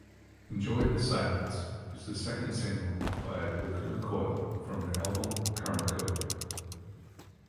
"Enjoy the Silence" is the second single by Lacuna Coil from their album "Karmacode".